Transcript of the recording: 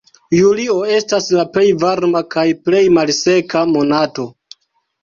Julio estas la plej varma kaj plej malseka monato.